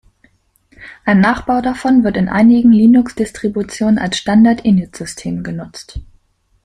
Ein Nachbau davon wird in einigen Linux-Distributionen als Standard-Init-System genutzt.